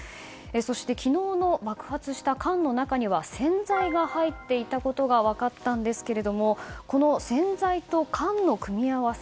そして昨日の爆発した缶の中には洗剤が入っていたことが分かったんですがこの洗剤と缶の組み合わせ